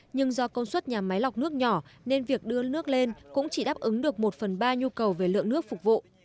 nhưng do công suất nhà máy lọc nước nhỏ nên việc đưa nước lên cũng chỉ đáp ứng được một phần ba nhu cầu về lượng nước phục vụ